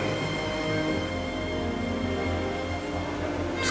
semoga elsa tertinggal